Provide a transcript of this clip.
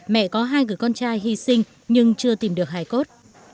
mẹ có hai người con trai hy sinh nhưng chưa tìm được hải cốt